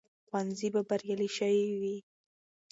ښوونځي به بریالي شوي وي.